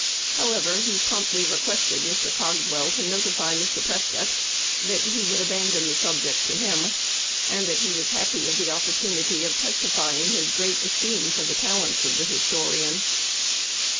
He, however, promptly requested Mr. Cogswell to notify Mr. Prescott that he should abandon the subject to him, and that he was happy of the opportunity of testifying his great esteem for the talents of the historian.